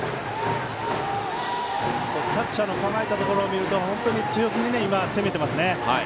キャッチャーの構えたところを見ると強気に攻めていますね。